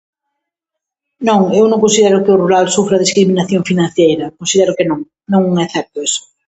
Non, eu non considero que o rural sufra discriminación financieira, considero que non, non é certo eso.